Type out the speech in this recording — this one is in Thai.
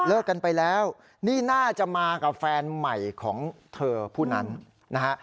กันไปแล้วนี่น่าจะมากับแฟนใหม่ของเธอผู้นั้นนะฮะ